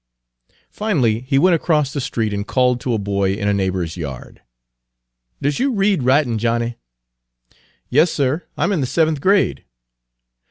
Finally he went across the street and called to a boy in a neighbor's yard. "Does you read writin', Johnnie?" "Yes, sir, I'm in the seventh grade."